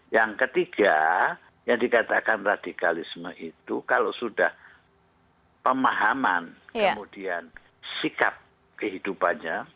yang ketiga yang dikatakan radikalisme itu kalau sudah pemahaman kemudian sikap kehidupannya